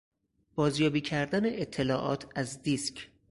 بازیابی کردن اطلاعات از دیسک